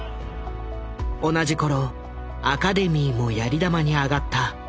同じ頃アカデミーもやり玉に挙がった。